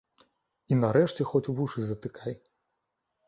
І нарэшце хоць вушы затыкай.